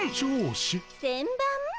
せんばん？